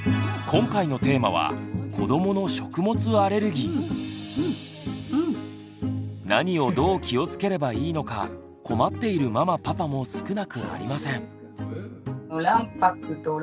今回のテーマは何をどう気をつければいいのか困っているママパパも少なくありません。